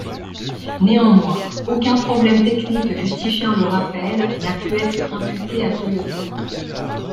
Néanmoins, aucun problème technique justifiant le rappel n'a pu être imputé à Toyota.